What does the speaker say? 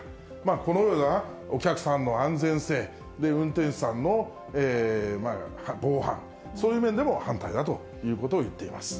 このようなお客さんの安全性、運転手さんの防犯、そういう面でも反対だということをいっています。